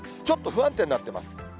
ちょっと不安定になってます。